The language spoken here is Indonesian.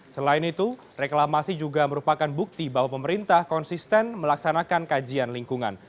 selain itu reklamasi juga merupakan bukti bahwa pemerintah konsisten melaksanakan kajian lingkungan